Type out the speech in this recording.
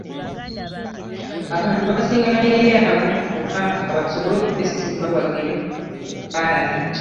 Abantu basinga n'ebyabwe mu bbanka basobole okwesimbawo bagende mu palamenti.